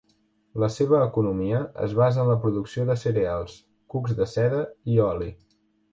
La seva economia es basa en la producció de cereals, cucs de seda i oli.